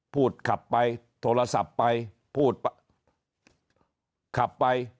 พูดขับไปโทรศัพท์ไปพูดขับไป